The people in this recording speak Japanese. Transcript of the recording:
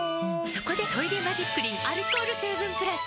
そこで「トイレマジックリン」アルコール成分プラス！